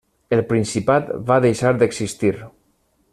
El principat va deixar d'existir.